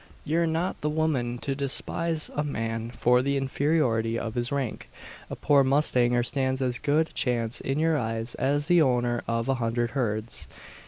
You're not the woman to despise a man for the inferiority of his rank. A poor mustanger stands as good a chance in your eyes as the owner of a hundred herds.